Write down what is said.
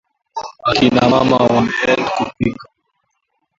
Akina mama wameenda kupika.